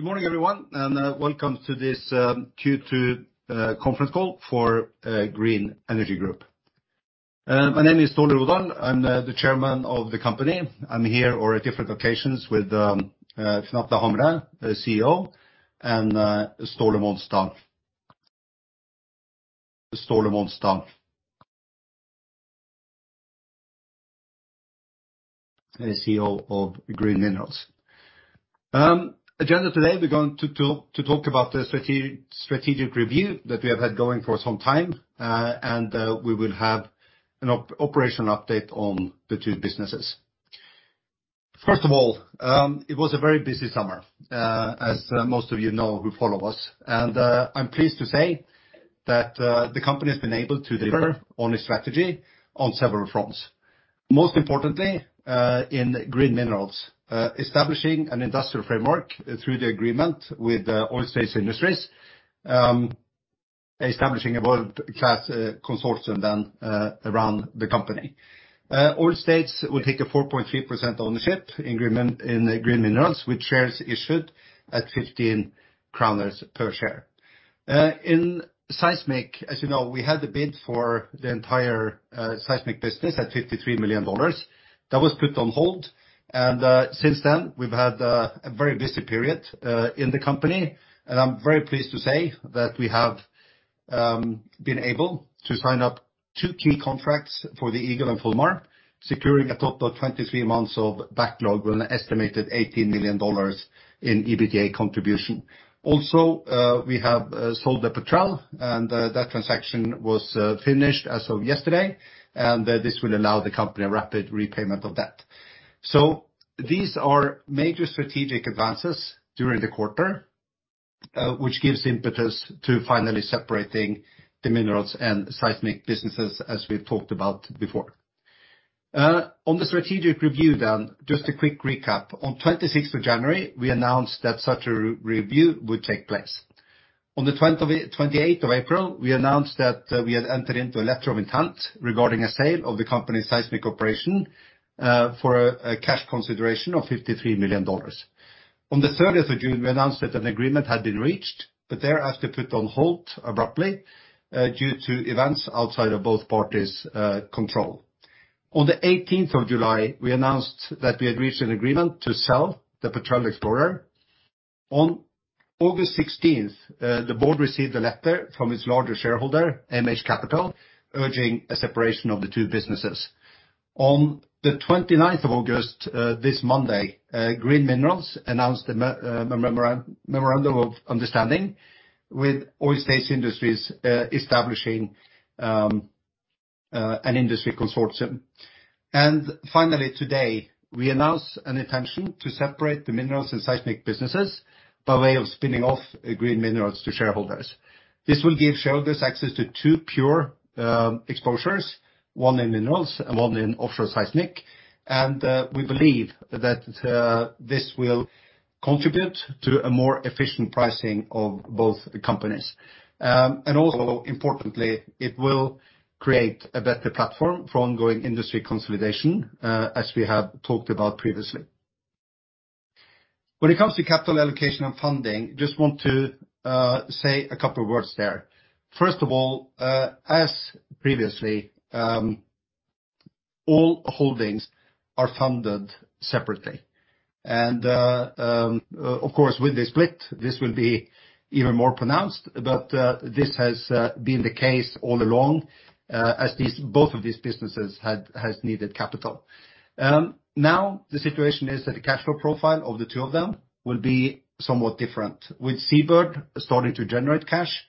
Good morning, everyone, and welcome to this Q2 conference call for Green Energy Group. My name is Ståle Rodahl. I'm the chairman of the company. I'm here or at different occasions with Finn Atle Hamre, the CEO, and Ståle Monstad. Ståle Monstad, the CEO of Green Minerals. Agenda today, we're going to talk about the strategic review that we have had going for some time. We will have an operational update on the two businesses. First of all, it was a very busy summer, as most of you know, who follow us. I'm pleased to say that the company has been able to deliver on its strategy on several fronts. Most importantly, in Green Minerals, establishing an industrial framework through the agreement with Oil States Industries, establishing a world-class consortium then around the company. Oil States will take a 4.3% ownership in Green Minerals, with shares issued at 15 kroner per share. In seismic, as you know, we had the bid for the entire seismic business at $53 million. That was put on hold. Since then, we've had a very busy period in the company. I'm very pleased to say that we have been able to sign up two key contracts for the Eagle and Fulmar, securing a total of 23 months of backlog with an estimated $80 million in EBITDA contribution. We have sold the Petrel, and that transaction was finished as of yesterday. This will allow the company a rapid repayment of debt. These are major strategic advances during the quarter, which gives impetus to finally separating the minerals and seismic businesses as we've talked about before. On the strategic review, just a quick recap. On the 26th of January, we announced that such a review would take place. On the 28th of April, we announced that we had entered into a letter of intent regarding a sale of the company's seismic operation for a cash consideration of $53 million. On the 30th of June, we announced that an agreement had been reached, but it had to be put on hold abruptly due to events outside of both parties' control. On the 18th of July, we announced that we had reached an agreement to sell the Petrel Explorer. On August 16th, the board received a letter from its larger shareholder, MH Capital, urging a separation of the two businesses. On the 29th of August, this Monday, Green Minerals announced a memorandum of understanding with Oil States Industries, establishing an industry consortium. Finally, today, we announce an intention to separate the minerals and seismic businesses by way of spinning off Green Minerals to shareholders. This will give shareholders access to two pure exposures, one in minerals and one in offshore seismic. We believe that this will contribute to a more efficient pricing of both the companies. Also importantly, it will create a better platform for ongoing industry consolidation, as we have talked about previously. When it comes to capital allocation and funding, just want to say a couple of words there. First of all, as previously, all holdings are funded separately. Of course, with the split, this will be even more pronounced. This has been the case all along, as both of these businesses has needed capital. Now the situation is that the cash flow profile of the two of them will be somewhat different. With SeaBird starting to generate cash,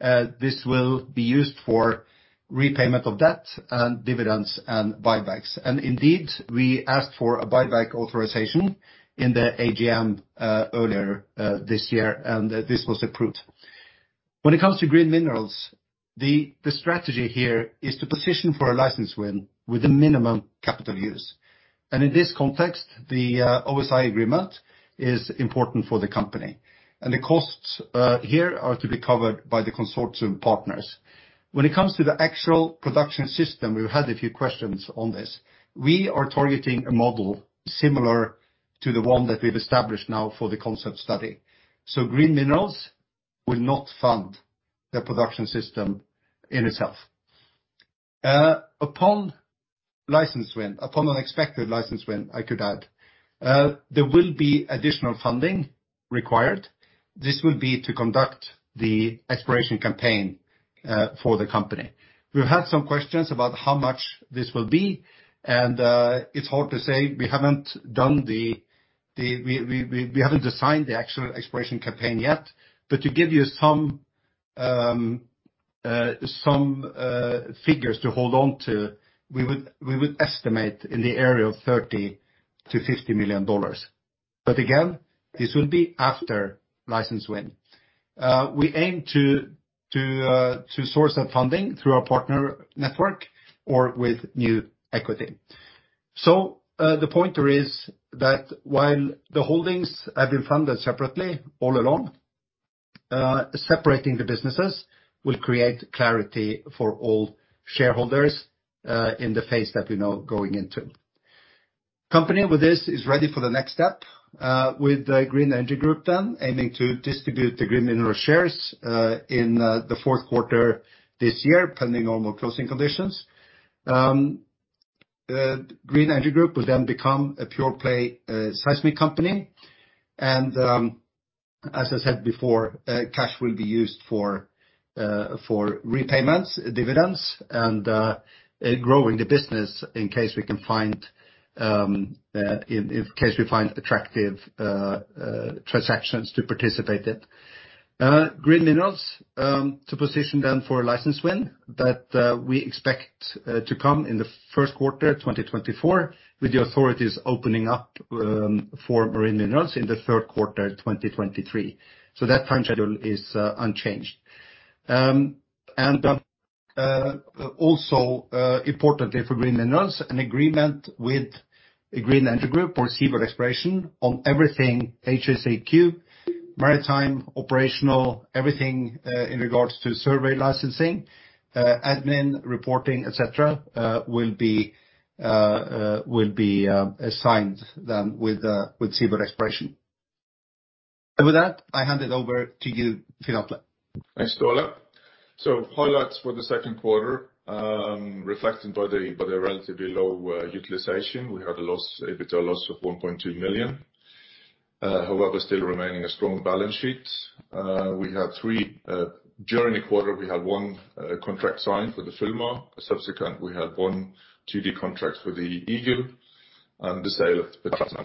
this will be used for repayment of debt and dividends and buybacks. Indeed, we asked for a buyback authorization in the AGM earlier this year, and this was approved. When it comes to Green Minerals, the strategy here is to position for a license win with a minimum capital use. In this context, the OSI agreement is important for the company. The costs here are to be covered by the consortium partners. When it comes to the actual production system, we've had a few questions on this. We are targeting a model similar to the one that we've established now for the concept study. Green Minerals will not fund the production system in itself. Upon license win, upon an expected license win, I could add, there will be additional funding required. This will be to conduct the exploration campaign for the company. We've had some questions about how much this will be, and it's hard to say. We haven't designed the actual exploration campaign yet. To give you some figures to hold on to, we would estimate in the area of $30 million-$50 million. This will be after license win. We aim to source that funding through our partner network or with new equity. The pointer is that while the holdings have been funded separately all along, separating the businesses will create clarity for all shareholders, in the phase that we know going into. The Company with this is ready for the next step, with the Green Energy Group then aiming to distribute the Green Minerals shares, in the Q4 this year, pending all other closing conditions. Green Energy Group will then become a pure play seismic company. As I said before, cash will be used for repayments, dividends, and growing the business in case we can find attractive transactions to participate in. Green Minerals to position them for a license win that we expect to come in the Q1, 2024, with the authorities opening up for marine minerals in the Q3, 2023. That time schedule is unchanged. Importantly for Green Minerals, an agreement with a Green Energy Group or SeaBird Exploration on everything HSEQ, maritime, operational, everything in regards to survey licensing, admin, reporting, et cetera, will be assigned then with SeaBird Exploration. With that, I hand it over to you, Finn Atle Hamre. Thanks, Ståle. Highlights for the Q2, reflecting the relatively low utilization. We had a loss, EBITDA loss of $1.2 million. However, still remaining a strong balance sheet. During the quarter, we had one contract signed for the Fulmar. Subsequently, we had one 2D contract for the Eagle and the sale of the Petrel.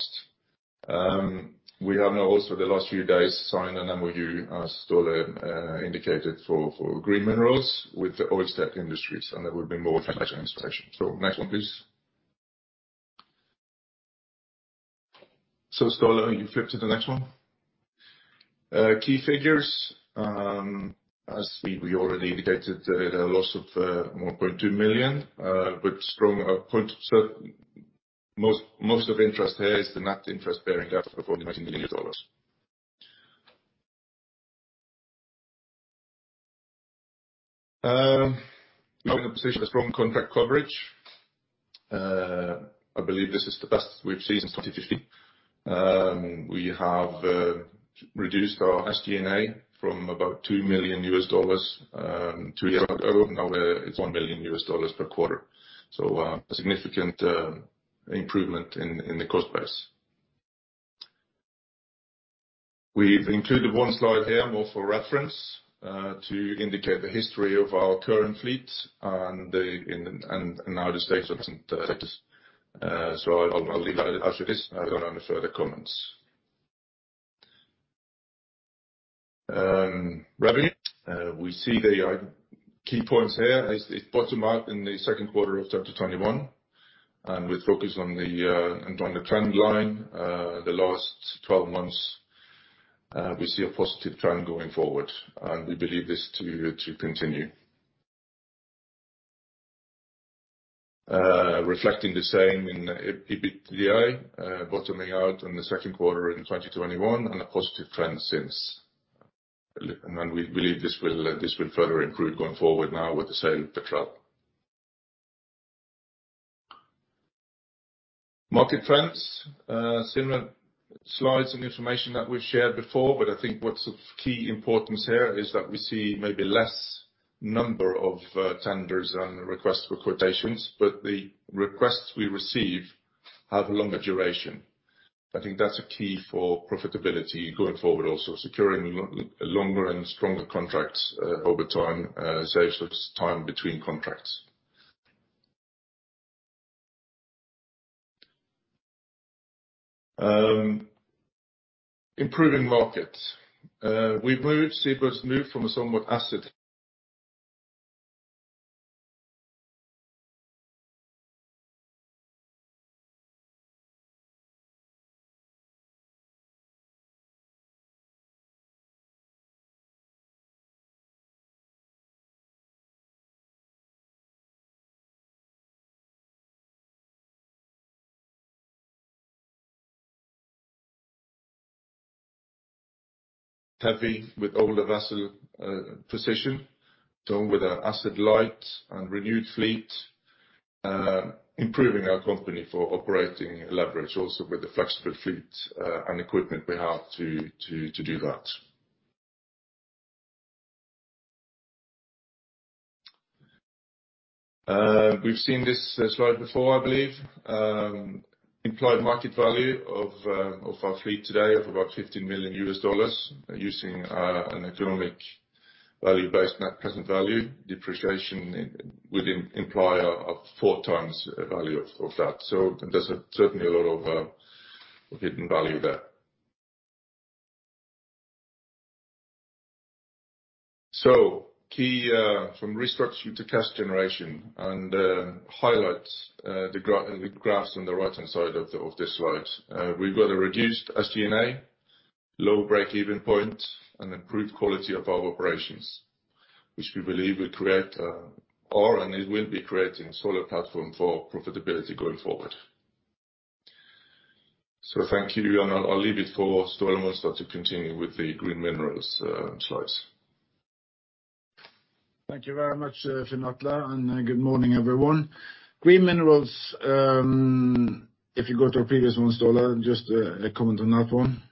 We have now also in the last few days signed an MOU, as Ståle indicated for Green Minerals with the Oil States Industries, and there will be more financial information. Next one, please. Ståle, you flip to the next one. Key figures. As we already indicated, a loss of $1.2 million, but strong outlook. Most of interest here is the net interest-bearing debt of $49 million. Now we have a position of strong contract coverage. I believe this is the best we've seen since 2015. We have reduced our SG&A from about $2 million two years ago. Now it's $1 million per quarter. A significant improvement in the cost base. We've included one slide here more for reference to indicate the history of our current fleet and now the state. I'll leave that as it is. I got any further comments. Revenue. We see the key points here is it bottomed out in the Q2 of 2021, and with focus on the trend line, the last 12 months, we see a positive trend going forward, and we believe this to continue. Reflecting the same in EBITDA, bottoming out in the Q2 in 2021 and a positive trend since. We believe this will further improve going forward now with the sale of the Petrel. Market trends, similar slides and information that we've shared before, but I think what's of key importance here is that we see maybe less number of tenders and requests for quotations, but the requests we receive have longer duration. I think that's a key for profitability going forward also. Securing longer and stronger contracts over time saves us time between contracts. Improving market. We've moved. SeaBird's moved from a somewhat asset-heavy position with older vessel to an asset-light and renewed fleet, improving our company for operating leverage also with the flexible fleet and equipment we have to do that. We've seen this slide before, I believe. Implied market value of our fleet today of about $15 million using an economic value-based net present value. Depreciation would imply a 4x value of that. There's certainly a lot of hidden value there. Key from restructure to cash generation and highlights the graphs on the right-hand side of this slide. We've got a reduced SG&A, low break-even point, and improved quality of our operations, which we believe will create and it will be creating a solid platform for profitability going forward. Thank you. I'll leave it for Ståle Monstad to continue with the Green Minerals slides. Thank you very much, Finn Atle, and good morning, everyone. Green Minerals, if you go to our previous one Ståle, just a comment on that one,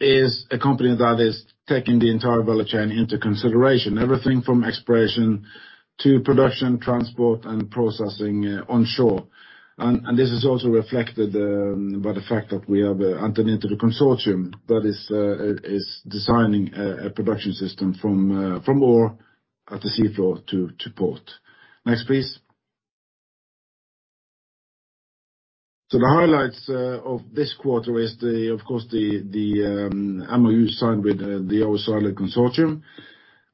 is a company that is taking the entire value chain into consideration. Everything from exploration to production, transport, and processing, onshore. This is also reflected by the fact that we have entered into the consortium that is designing a production system from ore at the sea floor to port. Next, please. The highlights of this quarter is the MOU signed with the Ocean Yield consortium.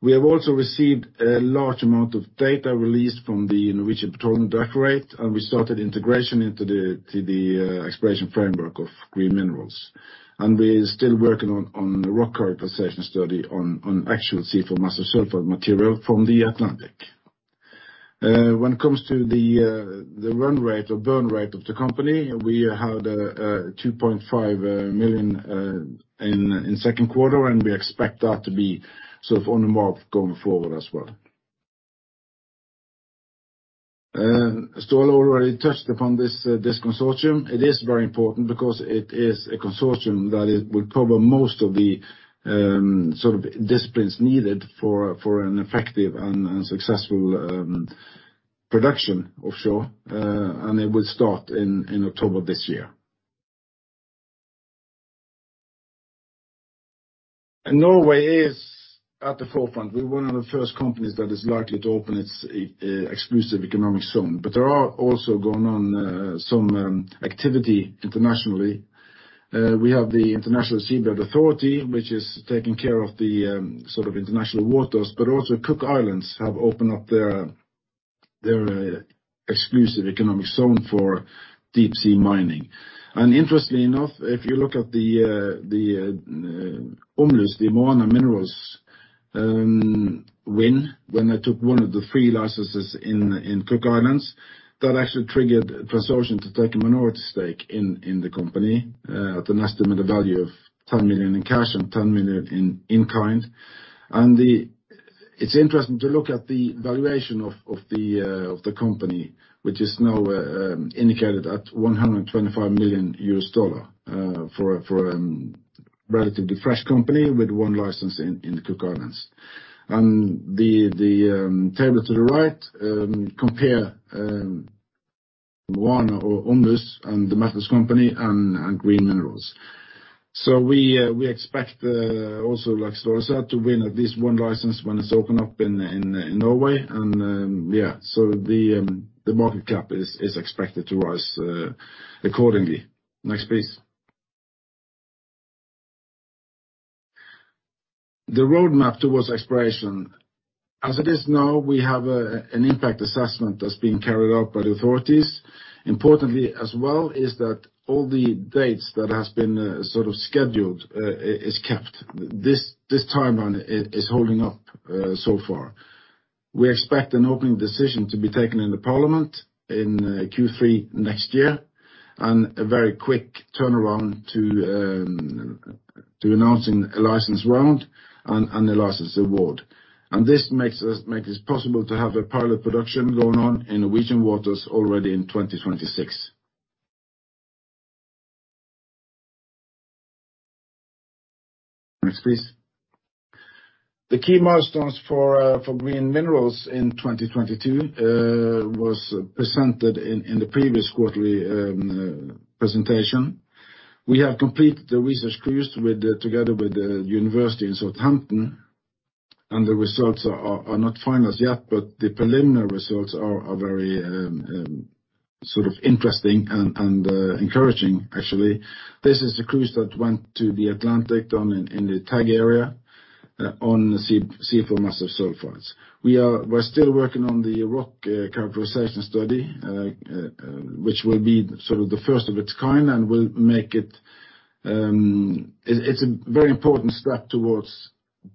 We have also received a large amount of data released from the Norwegian Petroleum Directorate, and we started integration into the exploration framework of Green Minerals. We're still working on the rock characterization study on actual seafloor massive sulfide material from the Atlantic. When it comes to the run rate or burn rate of the company, we had 2.5 million in Q2, and we expect that to be sort of on the mark going forward as well. Ståle already touched upon this consortium. It is very important because it is a consortium that will cover most of the sort of disciplines needed for an effective and successful production offshore. It will start in October this year. Norway is at the forefront. We're one of the first companies that is likely to open its exclusive economic zone. But there are also going on some activity internationally. We have the International Seabed Authority, which is taking care of the sort of international waters, but also Cook Islands have opened up their exclusive economic zone for deep sea mining. Interestingly enough, if you look at the one is the Moana Minerals when they took one of the three licenses in Cook Islands, that actually triggered consortium to take a minority stake in the company at an estimated value of $10 million in cash and $10 million in kind. It's interesting to look at the valuation of the company, which is now indicated at $125 million for relatively fresh company with one license in the Cook Islands. The table to the right compares Moana Minerals and The Metals Company and Green Minerals. We expect also like Ståle said to win at least one license when it's opened up in Norway. The market cap is expected to rise accordingly. Next, please. The roadmap towards exploration. As it is now, we have an impact assessment that's being carried out by the authorities. Importantly as well is that all the dates that has been sort of scheduled is kept. This timeline is holding up so far. We expect an opening decision to be taken in the parliament in Q3 next year, and a very quick turnaround to announcing a license round and a license award. This makes it possible to have a pilot production going on in Norwegian waters already in 2026. Next, please. The key milestones for Green Minerals in 2022 was presented in the previous quarterly presentation. We have completed the research cruise together with the university in Southampton, and the results are not final as yet, but the preliminary results are very sort of interesting and encouraging actually. This is the cruise that went to the Atlantic down in the TAG area on seafloor massive sulfides. We're still working on the rock characterization study, which will be sort of the first of its kind and will make it. It's a very important step towards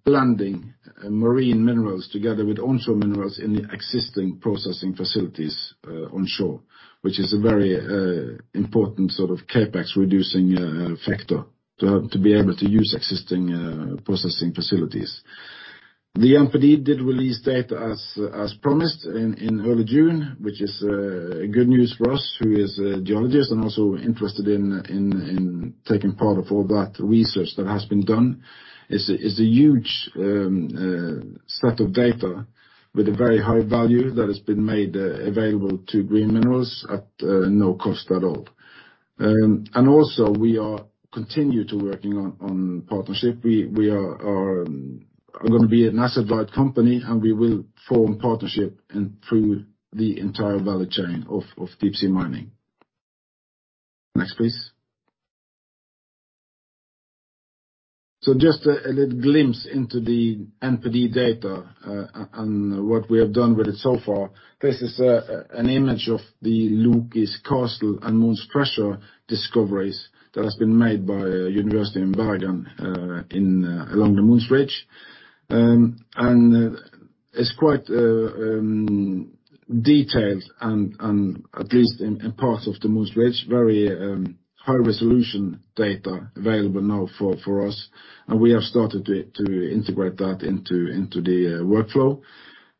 blending marine minerals together with onshore minerals in the existing processing facilities onshore, which is a very important sort of CapEx reducing factor to have to be able to use existing processing facilities. The NPD did release data as promised in early June, which is good news for us, who is a geologist and also interested in taking part in all that research that has been done. It's a huge set of data with a very high value that has been made available to Green Minerals at no cost at all. We continue to work on partnerships. We are gonna be an asset-wide company, and we will form partnership in through the entire value chain of deep sea mining. Next, please. So just a little glimpse into the NPD data and what we have done with it so far. This is an image of the Loki's Castle and Mohn's Treasure discoveries that has been made by a university in Bergen in along the Mohns Ridge. And it's quite detailed and at least in parts of the Mohn's Ridge, very high-resolution data available now for us, and we have started to integrate that into the workflow.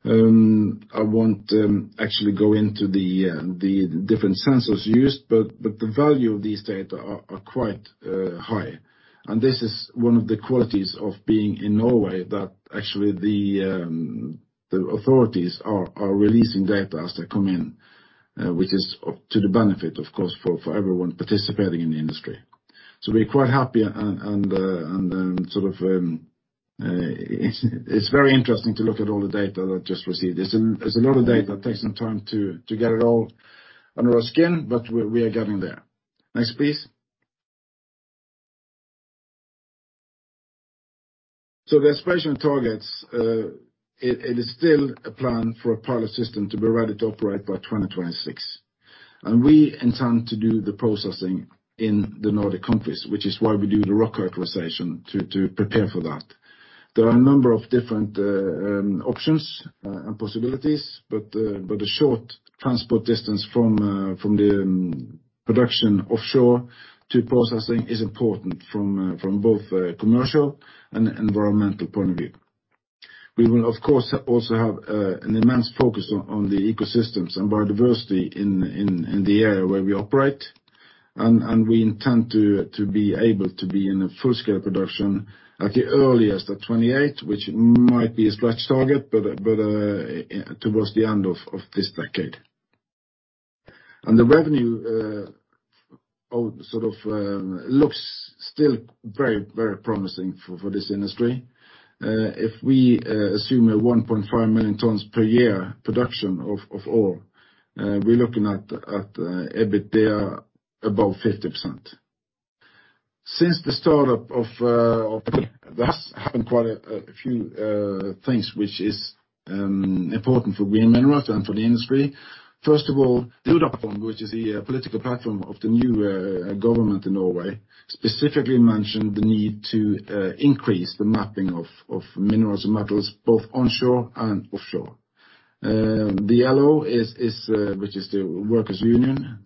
I won't actually go into the different sensors used, but the value of these data are quite high. This is one of the qualities of being in Norway that actually the authorities are releasing data as they come in, which is to the benefit, of course, for everyone participating in the industry. We're quite happy and it's very interesting to look at all the data that just received. There's a lot of data that takes some time to get it all under our skin, but we are getting there. Next, please. The aspiration targets, it is still a plan for a pilot system to be ready to operate by 2026. We intend to do the processing in the Nordic countries, which is why we do the rock characterization to prepare for that. There are a number of different options and possibilities, but a short transport distance from the production offshore to processing is important from both commercial and environmental point of view. We will, of course, also have an immense focus on the ecosystems and biodiversity in the area where we operate. We intend to be able to be in a full-scale production at the earliest at 2028, which might be a stretch target, but towards the end of this decade. The revenue sort of looks still very promising for this industry. If we assume a 1.5 million tons per year production of ore, we're looking at EBITDA above 50%. Since the start-up of this happened quite a few things which is important for Green Minerals and for the industry. First of all, Hurdalsplattformen, which is a political platform of the new government in Norway, specifically mentioned the need to increase the mapping of minerals and metals, both onshore and offshore. The LO, which is the workers union,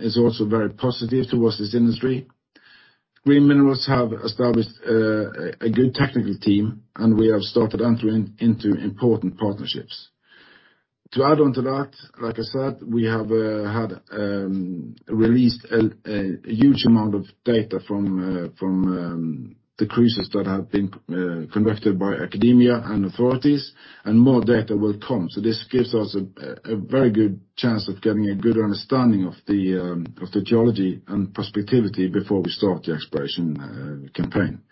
is also very positive towards this industry. Green Minerals have established a good technical team, and we have started entering into important partnerships. To add on to that, like I said, we have released a huge amount of data from the cruises that have been conducted by academia and authorities, and more data will come. This gives us a very good chance of getting a good understanding of the geology and prospectivity before we start the exploration campaign.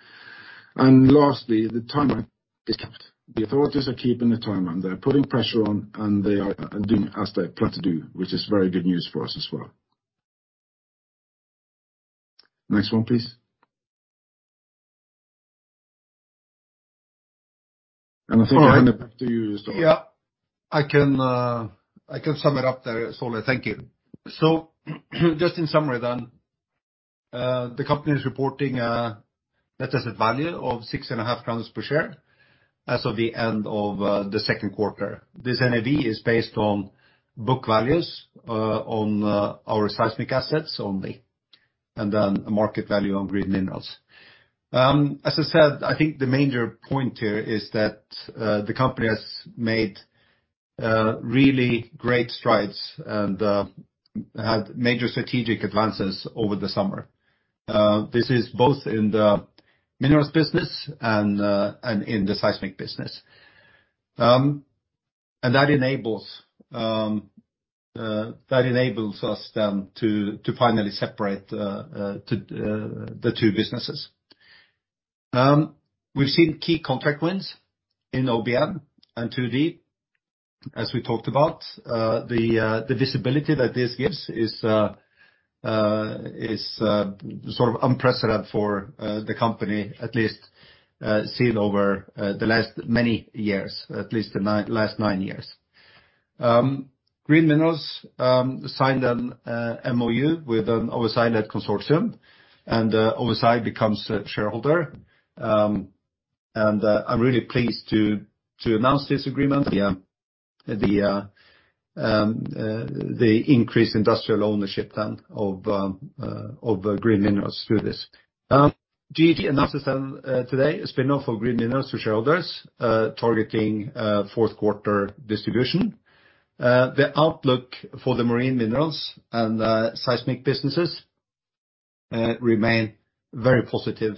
Lastly, the timeline is kept. The authorities are keeping the timeline. They're putting pressure on, and they are doing as they plan to do, which is very good news for us as well. Next one, please. I think I hand it back to you, Ståle Rodahl. Yeah. I can sum it up there, Ståle. Thank you. Just in summary then, the company is reporting a net asset value of $6.5 per share as of the end of the Q2. This NAV is based on book values on our seismic assets only, and then market value on Green Minerals. As I said, I think the major point here is that the company has made really great strides and had major strategic advances over the summer. This is both in the minerals business and in the seismic business. That enables us then to finally separate the two businesses. We've seen key contract wins in OBN and 2D, as we talked about. The visibility that this gives is sort of unprecedented for the company, at least seen over the last many years, at least the last nine years. Green Minerals signed an MOU with an oversight net consortium. Oversight becomes a shareholder. I'm really pleased to announce this agreement. The increased industrial ownership of Green Minerals through this. SED announces today a spin-off of Green Minerals to shareholders, targeting Q4 distribution. The outlook for the marine minerals and seismic businesses remain very positive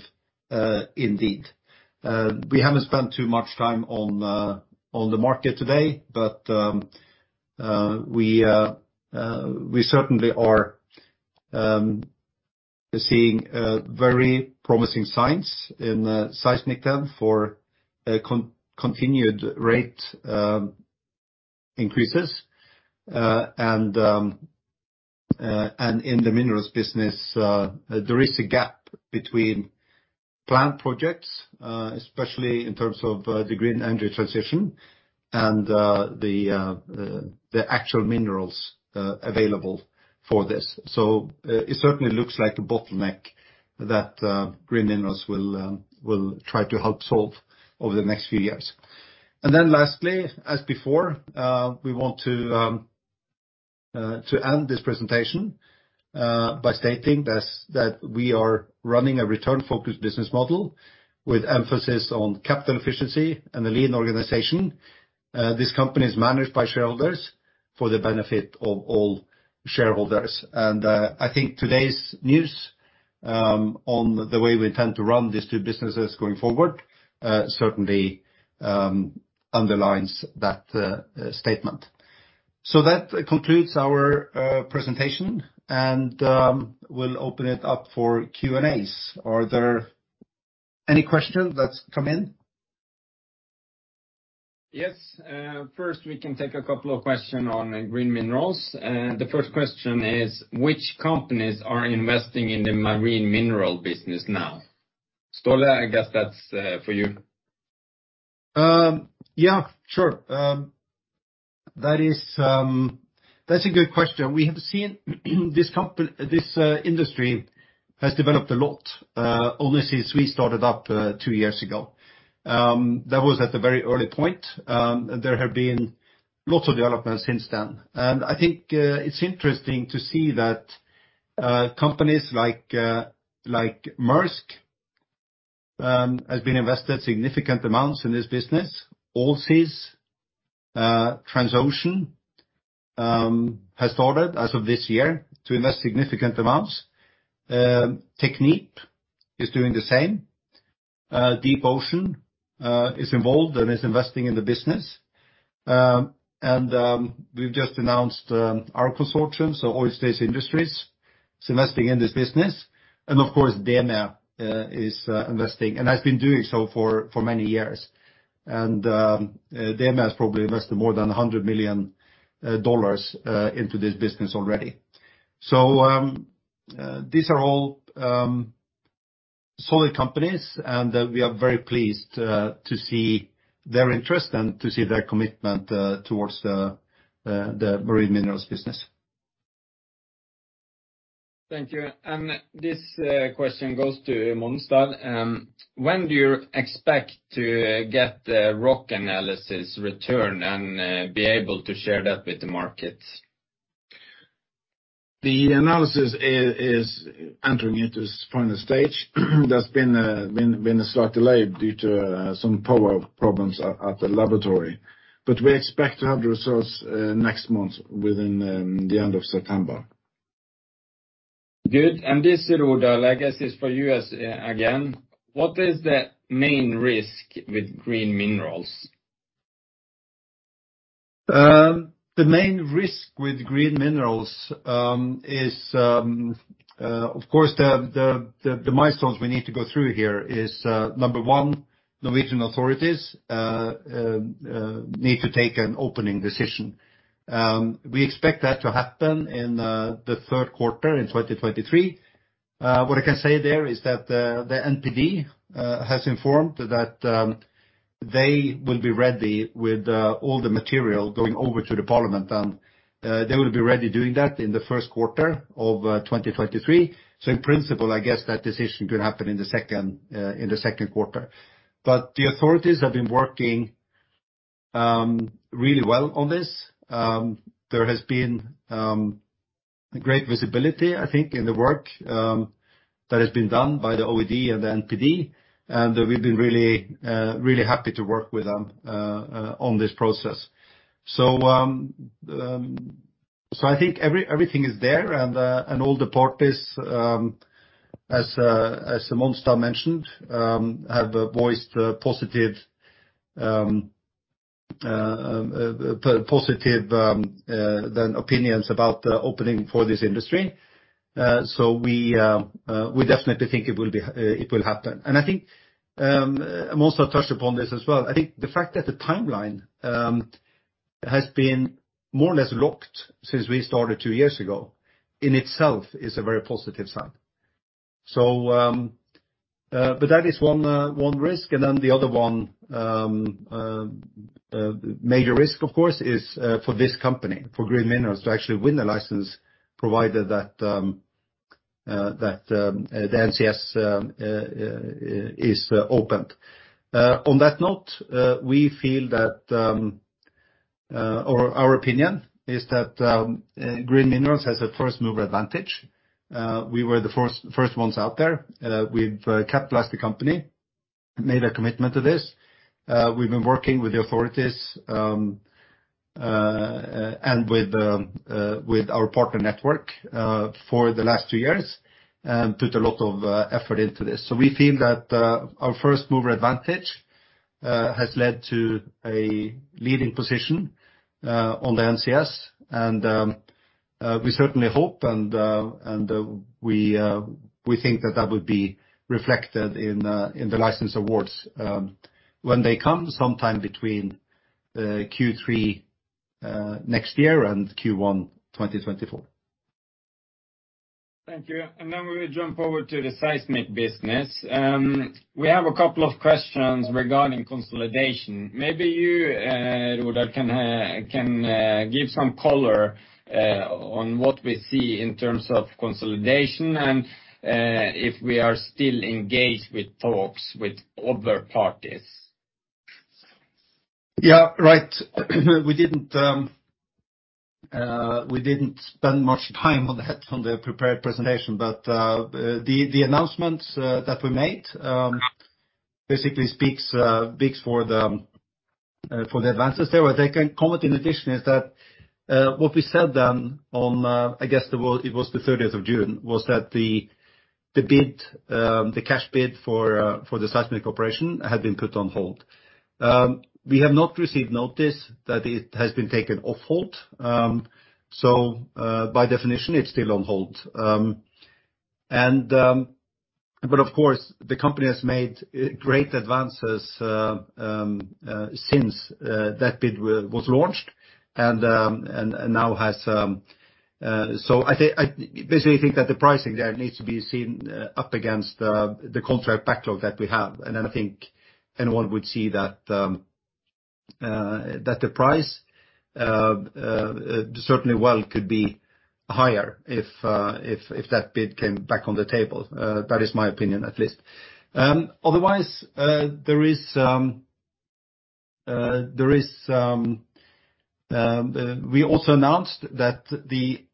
indeed. We haven't spent too much time on the market today, but we certainly are seeing very promising signs in seismic then for continued rate increases. In the minerals business, there is a gap between planned projects, especially in terms of the green energy transition and the actual minerals available for this. It certainly looks like a bottleneck that Green Minerals will try to help solve over the next few years. Lastly, as before, we want to end this presentation by stating that we are running a return-focused business model with emphasis on capital efficiency and the lean organization. This company is managed by shareholders for the benefit of all shareholders. I think today's news on the way we intend to run these two businesses going forward certainly underlines that statement. That concludes our presentation, and we'll open it up for Q&As. Are there any questions that's come in? Yes. First, we can take a couple of questions on Green Minerals. The first question is which companies are investing in the marine mineral business now? Ståle, I guess that's for you. That's a good question. We have seen this industry has developed a lot only since we started up two years ago. That was at the very early point. There have been lots of developments since then. I think it's interesting to see that companies like Maersk have invested significant amounts in this business. Allseas, Transocean, have started as of this year to invest significant amounts. Technip is doing the same. DeepOcean is involved and is investing in the business. We've just announced our consortium, so Oil States Industries is investing in this business. Of course, DEME is investing and has been doing so for many years. DEME has probably invested more than $100 million into this business already. These are all solid companies, and we are very pleased to see their interest and to see their commitment towards the marine minerals business. Thank you. This question goes to Monstad. When do you expect to get the rock analysis return and be able to share that with the market? The analysis is entering into its final stage. There's been a slight delay due to some power problems at the laboratory. We expect to have the results next month within the end of September. Good. This, Ståle Rodahl, I guess is for you as well. What is the main risk with Green Minerals? The main risk with Green Minerals is, of course, the milestones we need to go through here is number one, Norwegian authorities need to take an opening decision. We expect that to happen in the Q3 in 2023. What I can say there is that the NPD has informed that they will be ready with all the material going over to the Parliament, and they will be ready doing that in the Q1 of 2023. In principle, I guess that decision could happen in the Q2. The authorities have been working really well on this. There has been great visibility, I think, in the work that has been done by the OED and the NPD. We've been really happy to work with them on this process. I think everything is there and all the parties, as Monstad mentioned, have voiced positive opinions about opening for this industry. We definitely think it will happen. I think Monstad touched upon this as well. I think the fact that the timeline has been more or less locked since we started two years ago in itself is a very positive sign. But that is one risk. The other one, major risk, of course, is for this company, for Green Minerals, to actually win the license provided that the NCS is opened. On that note, our opinion is that Green Minerals has a first-mover advantage. We were the first ones out there. We've capitalized the company, made a commitment to this. We've been working with the authorities, and with our partner network, for the last two years and put a lot of effort into this. We feel that our first-mover advantage has led to a leading position on the NCS. We certainly hope and we think that that would be reflected in the license awards, when they come sometime between Q3 next year and Q1 2024. Thank you. We will jump over to the seismic business. We have a couple of questions regarding consolidation. Maybe you, Ståle Rodahl, can give some color on what we see in terms of consolidation and if we are still engaged with talks with other parties. Yeah, right. We didn't spend much time on that from the prepared presentation, but the announcements that we made basically speaks for the advances there. What I can comment in addition is that what we said then on I guess it was the 30th of June was that the cash bid for the seismic operation had been put on hold. We have not received notice that it has been taken off hold. By definition it's still on hold. Of course, the company has made great advances since that bid was launched and now has. I basically think that the pricing there needs to be seen up against the contract backlog that we have. I think anyone would see that the price certainly well could be higher if that bid came back on the table. That is my opinion at least. We also announced that the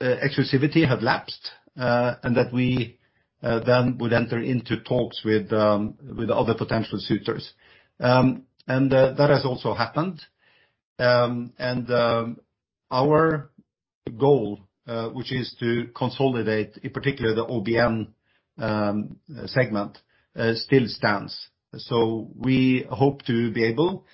exclusivity had lapsed and that we then would enter into talks with other potential suitors. That has also happened. Our goal, which is to consolidate, in particular the OBN segment, still stands. We hope to be able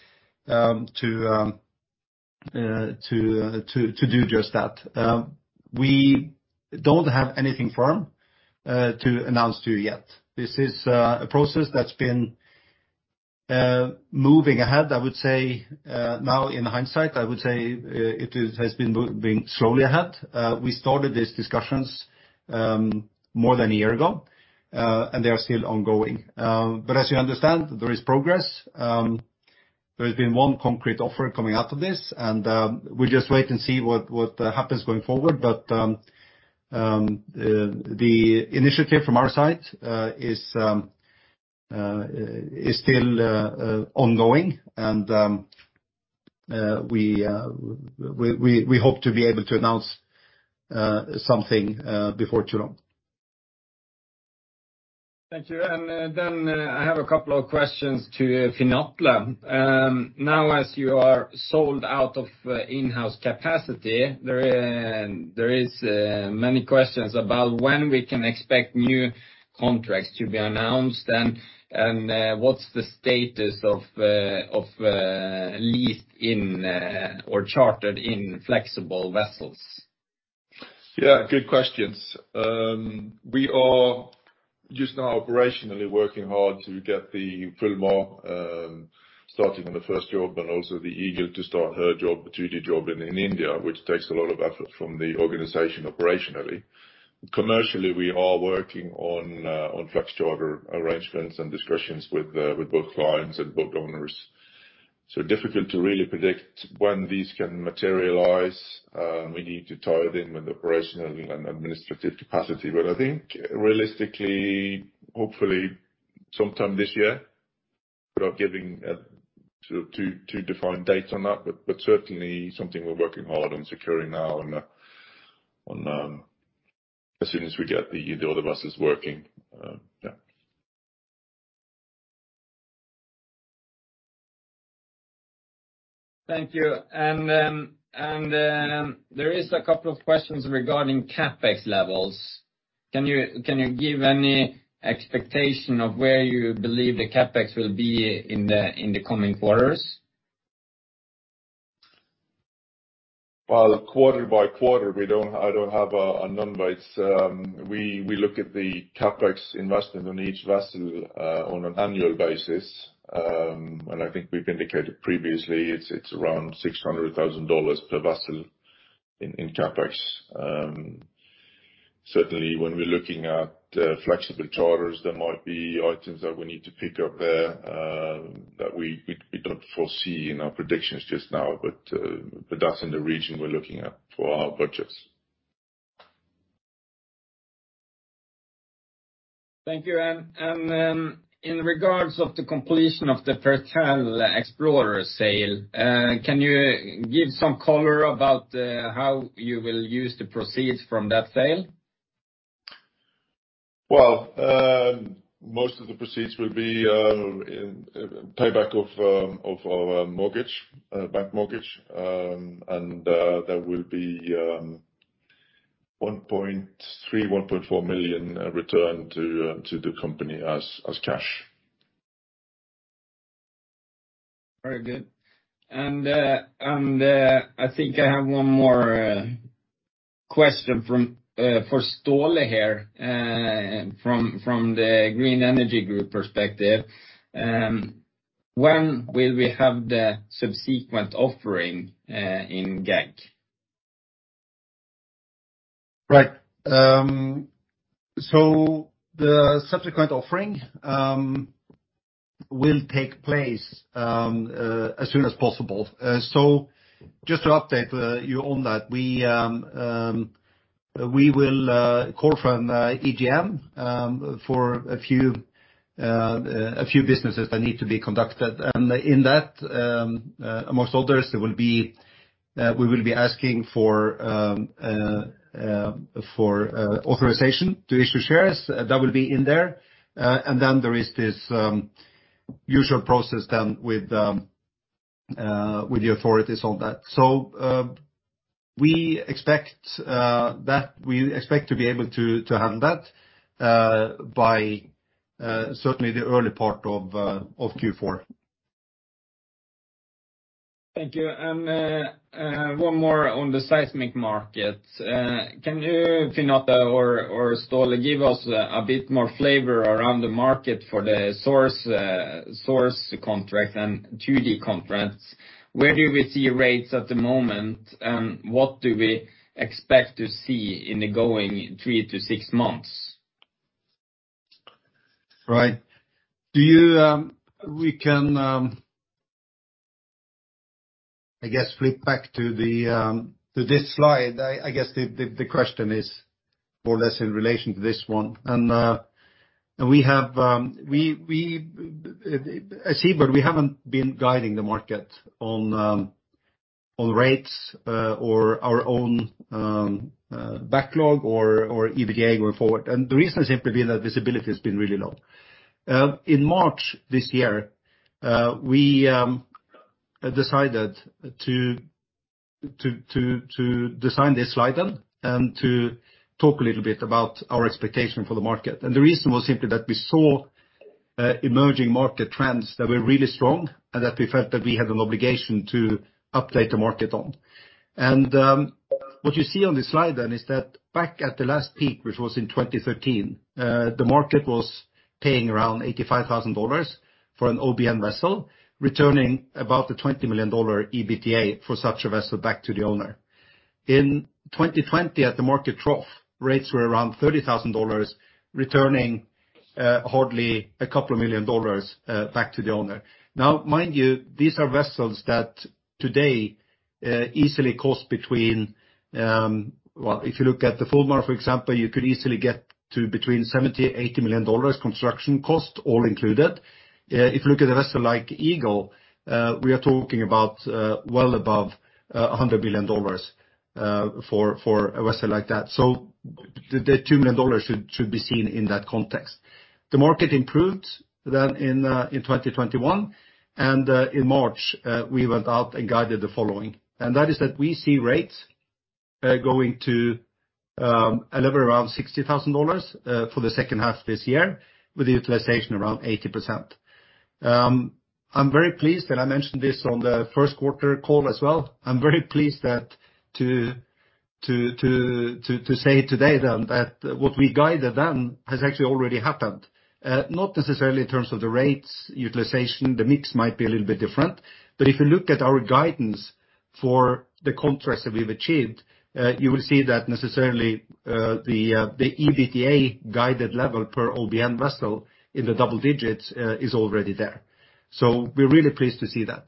to do just that. We don't have anything firm to announce to you yet. This is a process that's been moving ahead. I would say now in hindsight it has been moving slowly ahead. We started these discussions more than a year ago, and they are still ongoing. As you understand, there is progress. There has been one concrete offer coming out of this, and we just wait and see what happens going forward. The initiative from our side is still ongoing. We hope to be able to announce something before too long. Thank you. I have a couple of questions to Finn Atle. Now as you are sold out of in-house capacity, there is many questions about when we can expect new contracts to be announced and what's the status of leased-in or chartered-in flexible vessels? Yeah, good questions. We are just now operationally working hard to get the Fulmar starting on the first job and also the Eagle to start her job, the 2D job in India, which takes a lot of effort from the organization operationally. Commercially, we are working on flex charter arrangements and discussions with both clients and both owners. Difficult to really predict when these can materialize. We need to tie it in with operational and administrative capacity. I think realistically, hopefully sometime this year, without giving a sort of too defined date on that, but certainly something we're working hard on securing now and on as soon as we get the other buses working, yeah. Thank you. There is a couple of questions regarding CapEx levels. Can you give any expectation of where you believe the CapEx will be in the coming quarters? Quarter by quarter, we don't have a number. We look at the CapEx investment on each vessel on an annual basis. I think we've indicated previously it's around $600,000 per vessel in CapEx. Certainly when we're looking at flexible charters, there might be items that we need to pick up there that we don't foresee in our predictions just now. That's in the region we're looking at for our budgets. Thank you. In regards of the completion of the Petrel Explorer sale, can you give some color about how you will use the proceeds from that sale? Most of the proceeds will be in payback of our mortgage bank mortgage. There will be 1.3 million-1.4 million returned to the company as cash. Very good. I think I have one more question for Ståle here from the Green Energy Group perspective. When will we have the subsequent offering in GE? Right. So the subsequent offering will take place as soon as possible. Just to update you on that, we will call an EGM for a few businesses that need to be conducted. In that, amongst others, we will be asking for authorization to issue shares that will be in there. There is this usual process with the authorities on that. We expect to be able to handle that by certainly the early part of Q4. Thank you. One more on the seismic market. Can you, Finn Atle or Ståle, give us a bit more flavor around the market for the source contract and 2D contracts? Where do we see rates at the moment, and what do we expect to see in the coming three to six months? Right. We can, I guess, flip back to this slide. I guess the question is more or less in relation to this one. We have at SeaBird, we haven't been guiding the market on rates or our own backlog or EBITDA going forward. The reason simply being that visibility has been really low. In March this year, we decided to design this slide then and to talk a little bit about our expectation for the market. The reason was simply that we saw emerging market trends that were really strong and that we felt that we had an obligation to update the market on. What you see on this slide then is that back at the last peak, which was in 2013, the market was paying around $85,000 for an OBN vessel, returning about the $20 million EBITDA for such a vessel back to the owner. In 2020, at the market trough, rates were around $30,000, returning hardly a couple of million dollars back to the owner. Now, mind you, these are vessels that today easily cost between, well, if you look at the Fulmar, for example, you could easily get to between $70 million-$80 million construction cost, all included. If you look at a vessel like Eagle, we are talking about well above a $100 million for a vessel like that. The $10 million should be seen in that context. The market improved then in 2021, and in March, we went out and guided the following. That is that we see rates going to a level around $60,000 for the second half this year, with the utilization around 80%. I'm very pleased, and I mentioned this on the Q1 call as well. I'm very pleased to say today then that what we guided then has actually already happened. Not necessarily in terms of the rates utilization, the mix might be a little bit different. If you look at our guidance for the contracts that we've achieved, you will see that necessarily, the EBITDA guided level per OBN vessel in the double digits is already there. We're really pleased to see that.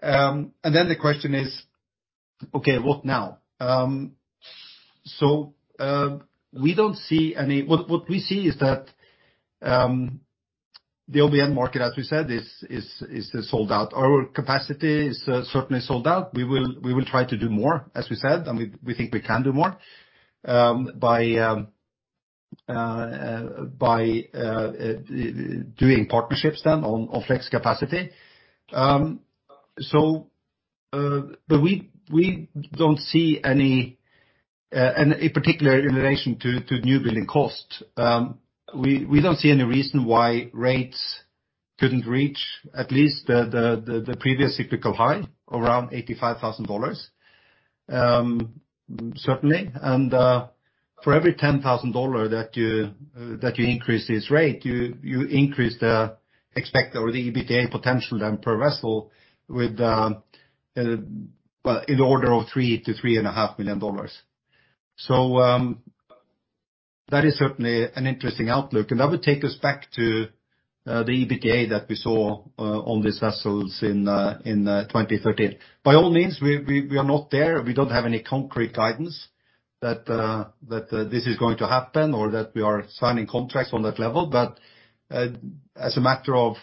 The question is, okay, what now? We don't see any. What we see is that, the OBN market, as we said, is sold out. Our capacity is certainly sold out. We will try to do more, as we said, and we think we can do more, by doing partnerships on flex capacity. We don't see any, and in particular in relation to new building cost. We don't see any reason why rates couldn't reach at least the previous cyclical high around $85,000. Certainly. For every $10,000 that you increase this rate, you increase the expected EBITDA potential then per vessel with in order of $3 million-$3.5 million. That is certainly an interesting outlook, and that would take us back to the EBITDA that we saw on these vessels in 2013. By all means, we are not there. We don't have any concrete guidance that this is going to happen or that we are signing contracts on that level. As a matter of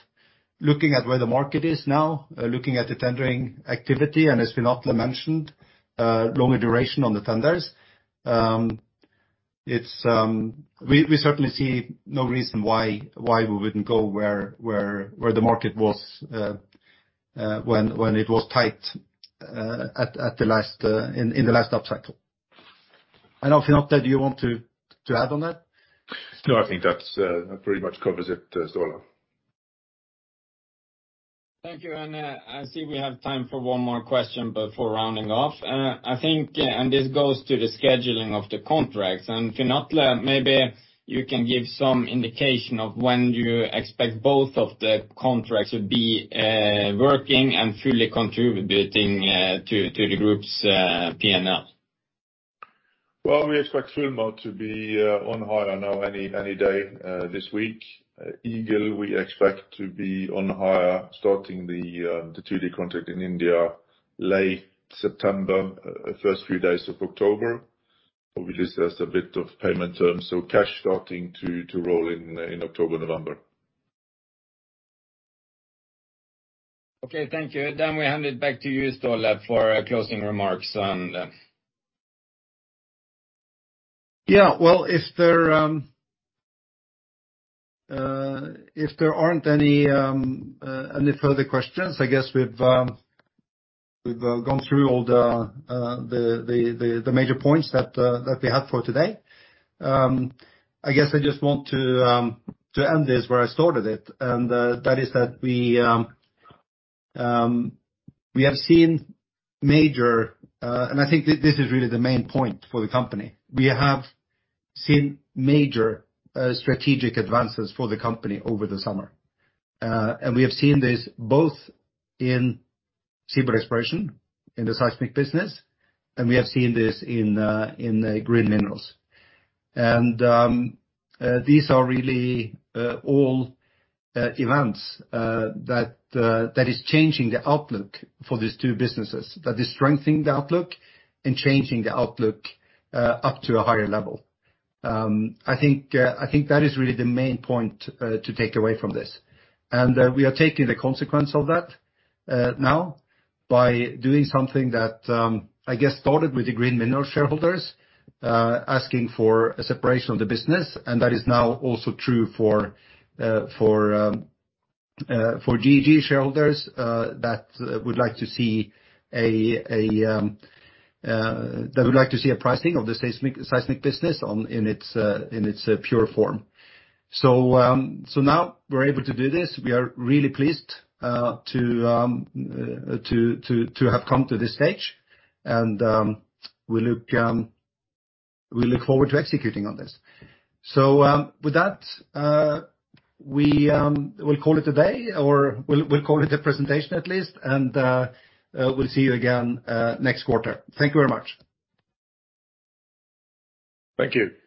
looking at where the market is now, looking at the tendering activity, and as Finn Atle mentioned, longer duration on the tenders, it's we certainly see no reason why we wouldn't go where the market was when it was tight, at the last, in the last upcycle. I don't know, Finn Atle, do you want to add on that? No, I think that's pretty much covers it, Ståle. Thank you. I see we have time for one more question before rounding off. I think this goes to the scheduling of the contracts. Finn Atle, maybe you can give some indication of when you expect both of the contracts to be working and fully contributing to the group's P&L. Well, we expect Fulmar to be on hire now any day this week. Eagle, we expect to be on hire starting the 2D contract in India late September, first few days of October. We just has a bit of payment terms, so cash starting to roll in in October, November. Okay, thank you. We hand it back to you, Ståle, for closing remarks on. Yeah. Well, if there aren't any further questions, I guess we've gone through all the major points that we had for today. I guess I just want to end this where I started it, and that is that we have seen major. I think this is really the main point for the company. We have seen major strategic advances for the company over the summer. We have seen this both in seabed exploration, in the seismic business, and we have seen this in Green Minerals. These are really all events that is changing the outlook for these two businesses. That is strengthening the outlook and changing the outlook up to a higher level. I think that is really the main point to take away from this. We are taking the consequence of that now by doing something that I guess started with the Green Minerals shareholders asking for a separation of the business. That is now also true for GE shareholders that would like to see a pricing of the seismic business on in its pure form. Now we're able to do this. We are really pleased to have come to this stage. We look forward to executing on this. With that, we'll call it a day, or we'll call it a presentation at least, and we'll see you again next quarter. Thank you very much. Thank you.